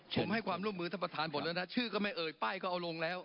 ผมให้ความร่วมมือท่านประธานหมดแล้วนะชื่อก็ไม่เอ่ยป้ายก็เอาลงแล้ว